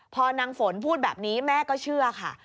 พอนางฝนพูดแบบนี้แม่ก็เชื่อค่ะ